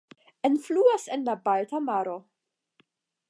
Enfluas en la Balta Maro.